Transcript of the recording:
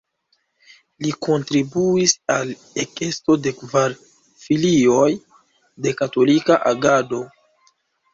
Li kontribuis al ekesto de kvar filioj de Katolika Agado.